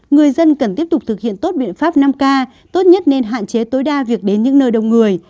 người dân cần tiếp tục thực hiện tốt biện pháp năm k tốt nhất nên hạn chế tối đa việc đến những nơi đông người